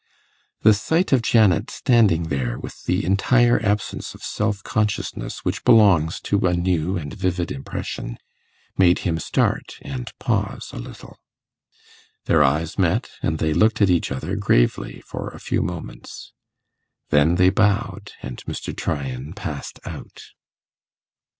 The sight of Janet standing there with the entire absence of self consciousness which belongs to a new and vivid impression, made him start and pause a little. Their eyes met, and they looked at each other gravely for a few moments. Then they bowed, and Mr. Tryan passed out.